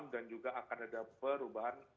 dan juga akan ada perubahan